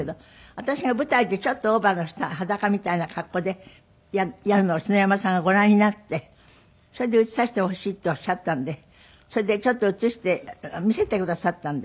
私が舞台でちょっとオーバーを着た裸みたいな格好でやるのを篠山さんがご覧になってそれで写させてほしいっておっしゃったんでそれでちょっと写して見せてくださったんで。